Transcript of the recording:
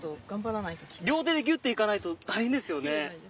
両手でギュっていかないと大変ですよね。